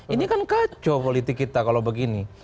ini kan kacau politik kita kalau begini